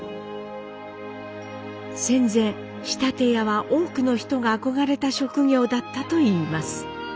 戦前仕立屋は多くの人が憧れた職業だったといいます。